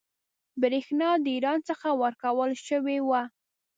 برېښنا د ایران څخه ورکول شوې وه.